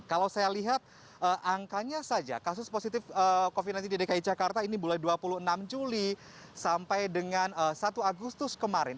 kalau saya lihat angkanya saja kasus positif covid sembilan belas di dki jakarta ini mulai dua puluh enam juli sampai dengan satu agustus kemarin